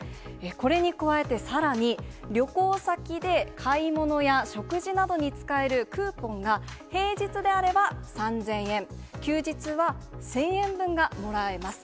これに加えてさらに、旅行先で買い物や食事などに使えるクーポンが、平日であれば３０００円、休日は１０００円分がもらえます。